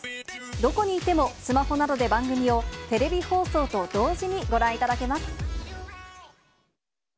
どこにいてもスマホなどで番組をテレビ放送と同時にご覧いただけます。